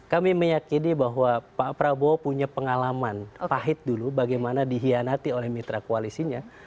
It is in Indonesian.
kami meyakini bahwa pak prabowo punya pengalaman pahit dulu bagaimana dihianati oleh mitra koalisinya